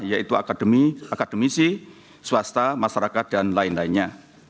yaitu akademi akademisi swasta masyarakat dan lain lainnya